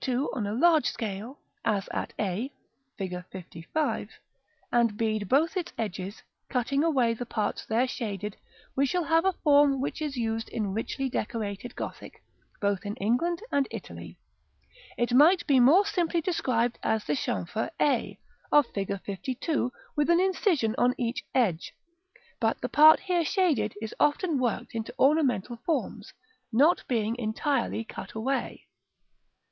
on a large scale, as at a, Fig. LV., and bead both its edges, cutting away the parts there shaded, we shall have a form much used in richly decorated Gothic, both in England and Italy. It might be more simply described as the chamfer a of Fig. LII., with an incision on each edge; but the part here shaded is often worked into ornamental forms, not being entirely cut away.